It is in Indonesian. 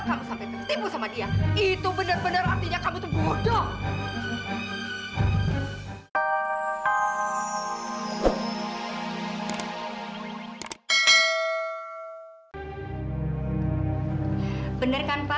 sampai jumpa di video selanjutnya